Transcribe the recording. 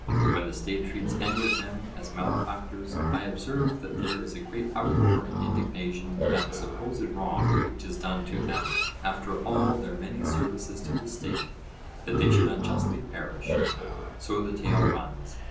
When the State treats any of them as malefactors, I observe that there is a great uproar and indignation at the supposed wrong which is done to them; "after all their many services to the State, that they should unjustly perish,"—so the tale runs.